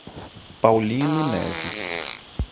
Paulino Neves